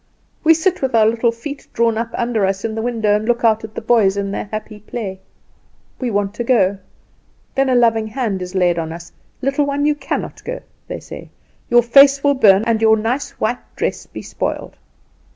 We sit with our little feet drawn up under us in the window, and look out at the boys in their happy play. We want to go. Then a loving hand is laid on us: 'Little one, you cannot go,' they say, 'your little face will burn, and your nice white dress be spoiled.